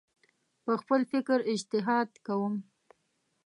په خپل فکر اجتهاد کوم